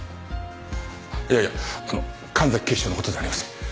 いやいやあの神崎警視長の事ではありません。